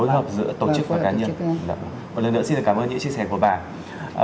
một lần nữa xin cảm ơn những chia sẻ của bà